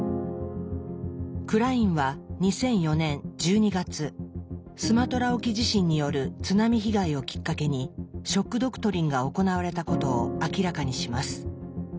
クラインは２００４年１２月スマトラ沖地震による津波被害をきっかけに「ショック・ドクトリン」が行われたことを明らかにします。